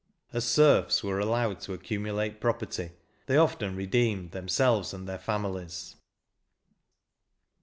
As serfs were allowed to accumu late property, they often redeemed themselves and their famiUes.